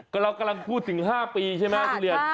ก็เรากำลังพูดถึง๕ปีใช่ไหมครับคุณเหรียญ